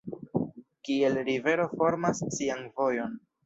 Kiel rivero formas sian vojon.